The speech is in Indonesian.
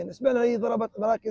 saya menjaga mereka